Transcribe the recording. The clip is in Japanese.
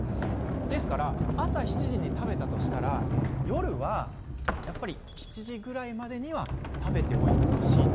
ですから朝７時に食べたとしたら夜はやっぱり７時ぐらいには食べておいてほしいと。